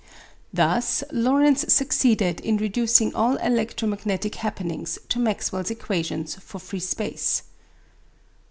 Thus Lorentz succeeded in reducing all electromagnetic happenings to Maxwell's equations for free space.